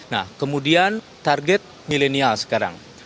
nah kemudian target milenial sekarang